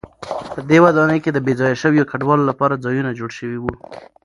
په دې ودانۍ کې د بې ځایه شویو کډوالو لپاره ځایونه جوړ شوي و.